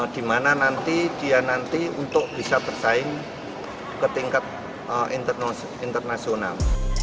di mana nanti dia nanti untuk bisa bersaing ke tingkat internasional